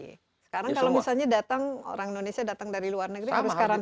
sekarang kalau misalnya datang orang indonesia datang dari luar negeri harus karantina